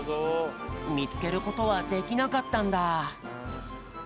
みつけることはできなかったんだ。